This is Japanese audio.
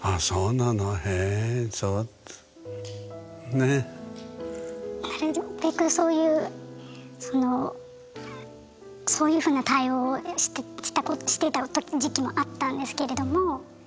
なるべくそういうそのそういうふうな対応をしてた時期もあったんですけれども。